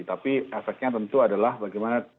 tapi efeknya tentu adalah bagaimana